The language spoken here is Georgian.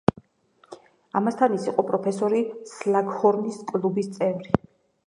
ამასთან, ის იყო პროფესორი სლაგჰორნის კლუბის წევრი.